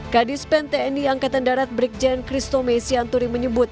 kadispen tni angkatan darat brigjen kristome sianturi menyebut